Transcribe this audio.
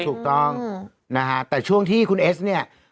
ถูกต้องแต่ช่วงที่คุณเอสนี่